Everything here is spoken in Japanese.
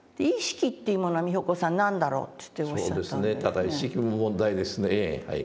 ただ意識も問題ですねはい。